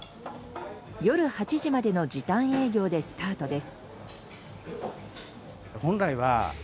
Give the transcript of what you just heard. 夜８時までの時短営業でスタートです。